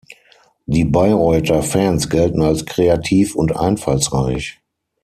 Die Bayreuther Fans gelten als kreativ und einfallsreich.